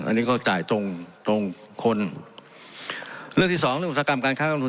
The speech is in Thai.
อันนี้เขาจ่ายตรงตรงคนเรื่องที่สองเรื่องอุตสาหกรรมการค้ากำนุ